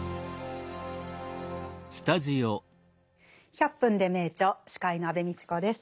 「１００分ｄｅ名著」司会の安部みちこです。